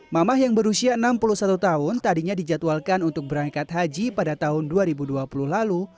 mamah yang berusia enam puluh satu tahun tadinya dijadwalkan untuk berangkat haji pada tahun dua ribu dua puluh lalu